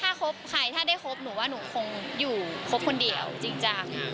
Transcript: ถ้าคบใครถ้าได้คบหนูว่าหนูคงอยู่ครบคนเดียวจริงจัง